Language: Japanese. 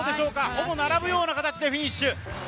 ほぼ並ぶような形でフィニッシュ。